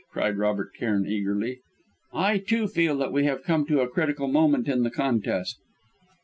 cried Robert Cairn eagerly, "I, too, feel that we have come to a critical moment in the contest."